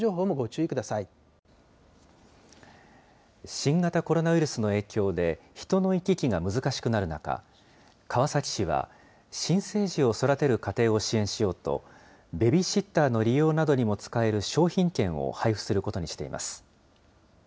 新型コロナウイルスの影響で、人の行き来が難しくなる中、川崎市は、新生児を育てる家庭を支援しようと、ベビーシッターの利用などにも使える商品券を配布することにしています。